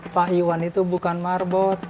pak iwan itu bukan marbot